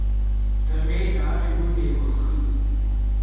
Дамеи даара игәы неилаххит…